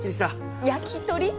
焼き鳥？